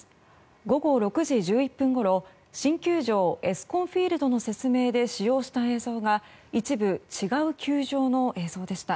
午後６時１１分ごろ新球場エスコンフィールドの説明で使用した映像が一部、違う球場の映像でした。